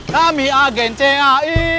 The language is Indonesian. kami agen cai